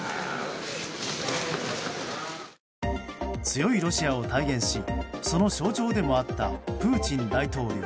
強いロシアを体現しその象徴でもあったプーチン大統領。